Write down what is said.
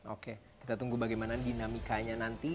oke kita tunggu bagaimana dinamikanya nanti